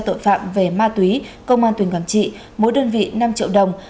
tội phạm về ma túy công an tỉnh quảng trị mỗi đơn vị năm triệu đồng